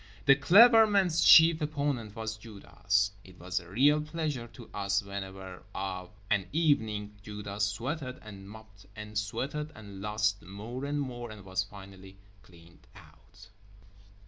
The Clever Man's chief opponent was Judas. It was a real pleasure to us whenever of an evening Judas sweated and mopped and sweated and lost more and more and was finally cleaned out.